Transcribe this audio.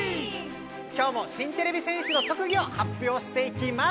今日も新てれび戦士の特技を発表していきます。